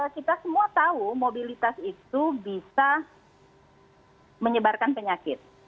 kita semua tahu mobilitas itu bisa menyebarkan penyakit